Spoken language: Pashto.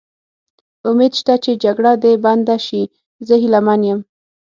امید شته چې جګړه دې بنده شي، زه هیله من یم.